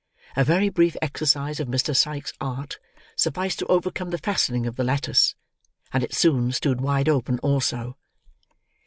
A very brief exercise of Mr. Sike's art, sufficed to overcome the fastening of the lattice; and it soon stood wide open also.